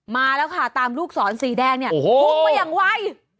มาแล้วค่ะตามลูกสอนสีแดงพุ่งมาอย่างไว